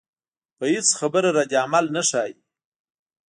پۀ هېڅ خبره ردعمل نۀ ښائي